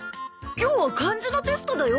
今日は漢字のテストだよ。